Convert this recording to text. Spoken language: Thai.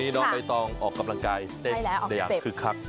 อีกนึงต้องออกกำลังกายได้อย่างคือครับ